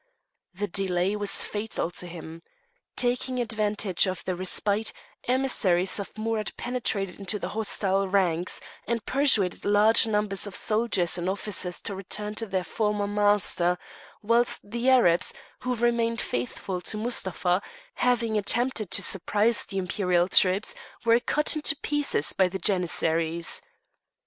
The delay was fatal to him. Taking advantage of the respite, emissaries of Amurath penetrated into the hostile ranks, and persuaded large numbers of soldiers and officers to return to their former master, whilst the Arabs, who remained faithful to Mustapha, having attempted to surprise the imperial troops, were cut into pieces by the Janissaries.